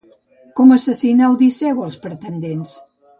Com assassinà Odisseu els pretendents?